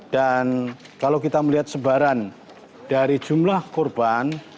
dan kalau kita melihat sebaran dari jumlah korban